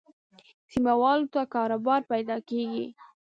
سیمه والو ته کاروبار پیدا کېږي.